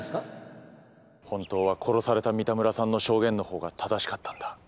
本当は殺された三田村さんの証言の方が正しかったんだ。